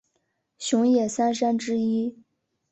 熊野三山之一。